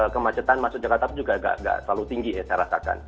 kemacetan masuk jakarta itu juga nggak terlalu tinggi ya saya rasakan